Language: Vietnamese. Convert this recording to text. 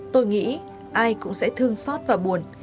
tôi nghĩ ai cũng sẽ thương xót và buồn